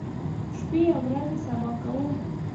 شپې او ورځې سبا کوو.